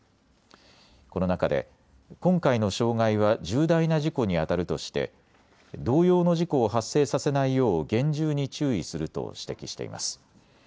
この中で今回の障害は重大な事故にあたるとして同様の事故を発生させないよう厳重に注意すると指摘しています。